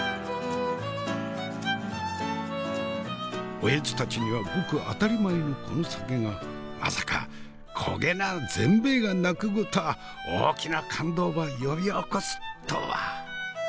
おやじたちにはごく当たり前のこの酒がまさかこげな全米が泣くごたあ大きな感動ば呼び起こすっとば！